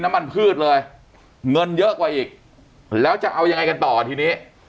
น้ำมันพืชเลยเงินเยอะกว่าอีกแล้วจะเอายังไงกันต่อทีนี้